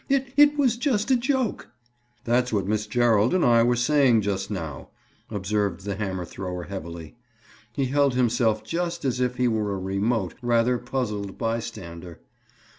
It—it was just a joke." "That's what Miss Gerald and I were saying just now," observed the hammer thrower heavily. He held himself just as if he were a remote, rather puzzled bystander.